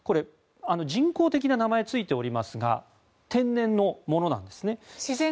人工的な名前がついておりますが天然のものなんですね。